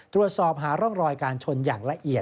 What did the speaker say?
ตรวจสอบหาร่องรอยการชนอย่างละเอียด